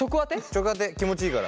直当て気持ちいいから。